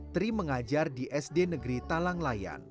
tri mengajar di sd negeri talang layan